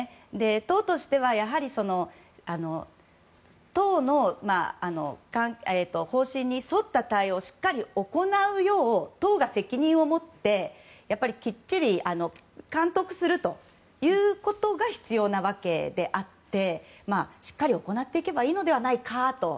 党としてはやはり党の方針に沿った対応をしっかり行うよう党が責任を持ってやっぱり、きっちり監督するということが必要なわけであってしっかり行っていけばいいのではないかと。